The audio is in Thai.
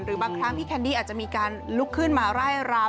บางครั้งพี่แคนดี้อาจจะมีการลุกขึ้นมาไล่รำ